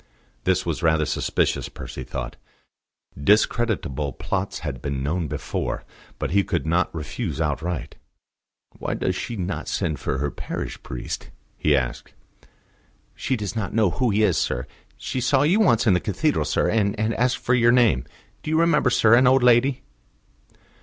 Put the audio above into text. This was rather suspicious, Percy thought: discreditable plots had been known before. But he could not refuse outright. "Why does she not send for her parish priest?" he asked. "She she does not know who he is, sir; she saw you once in the Cathedral, sir, and asked you for your name. Do you remember, sir? an old lady?"